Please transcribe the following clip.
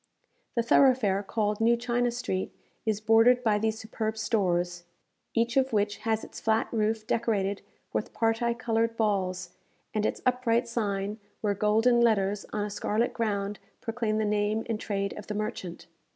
The thoroughfare called New China Street is bordered by these superb stores, each of which has its flat roof decorated with parti coloured balls, and its upright sign, where golden letters on a scarlet ground proclaim the name and trade of the merchant.